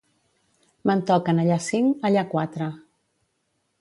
Me'n toquen allà cinc, allà quatre.